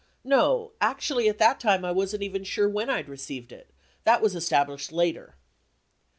No. Actually at that time I wasn't even sure when I'd received it. That was established later.